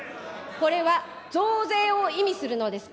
これは増税を意味するのですか。